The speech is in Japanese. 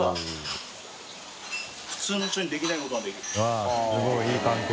わぁすごいいい関係。